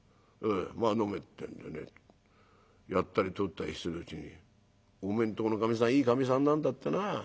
『まあ飲め』ってんでねやったりとったりするうちに『おめえんとこのかみさんいいかみさんなんだってなあ。